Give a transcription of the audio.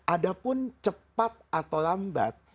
adapun cepat atau lambat